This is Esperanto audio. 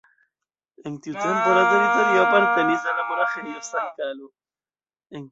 En tiu tempo la teritorio apartenis al la Monaĥejo Sankt-Galo.